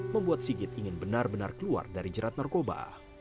membuat sigit ingin benar benar keluar dari jerat narkoba